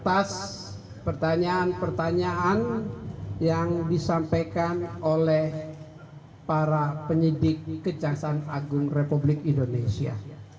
atas pertanyaan pertanyaan yang disampaikan oleh para penyidik kejaksaan agung republik indonesia